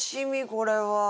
これは。